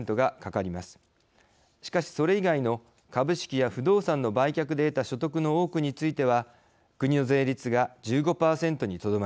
しかしそれ以外の株式や不動産の売却で得た所得の多くについては国の税率が１５％にとどまります。